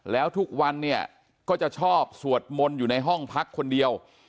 แล้วทุกวันเนี่ยก็จะชอบสวดมนต์อยู่ในห้องพักคนเดียว